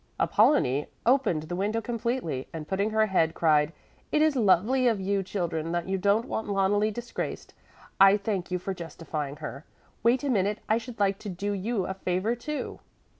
Apollonie opened the window completely, and putting out her head, cried: "It is lovely of you, children that you don't want Loneli disgraced. I thank you for justifying her. Wait a minute. I should like to do you a favor, too."